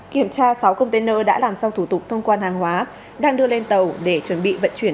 kiểm tra sáu container đã làm sau thủ tục thông quan hàng hóa đang đưa lên tàu để chuẩn bị vận chuyển